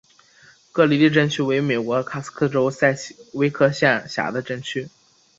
格里利镇区为美国堪萨斯州塞奇威克县辖下的镇区。